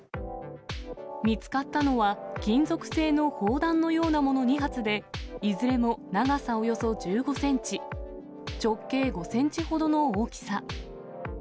見つかったのは、金属製の砲弾のようなもの２発で、いずれも長さおよそ１５センチ、直径５センチほどの大きさ。